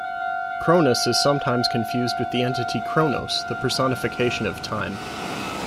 Cronus is sometimes confused with the entity Chronos, the personification of Time.